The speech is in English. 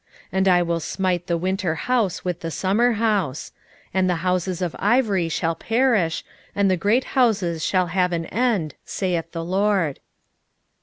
3:15 And I will smite the winter house with the summer house; and the houses of ivory shall perish, and the great houses shall have an end, saith the LORD.